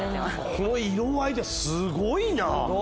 この色合いすごいな！